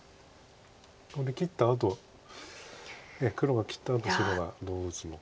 これ切ったあと黒が切ったあと白がどう打つのか。